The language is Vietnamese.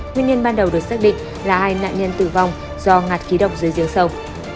nguyên nhân ban đầu được xác định là hai nạn nhân tử vong do ngạt khí độc dưới giếng sâu